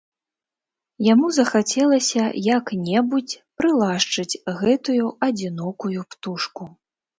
Яму захацелася як-небудзь прылашчыць гэтую адзінокую птушку.